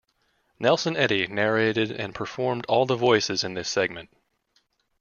Nelson Eddy narrated and performed all the voices in this segment.